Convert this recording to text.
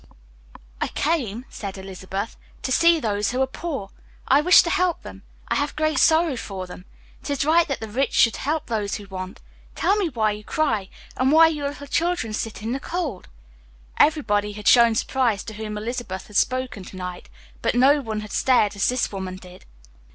"I came," said Elizabeth, "to see those who are poor. I wish to help them. I have great sorrow for them. It is right that the rich should help those who want. Tell me why you cry, and why your little children sit in the cold." Everybody had shown surprise to whom Elizabeth had spoken to night, but no one had stared as this woman did.